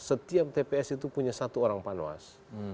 setiap tps itu punya satu orang panwas